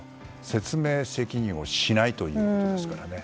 説明責任をしないということですからね。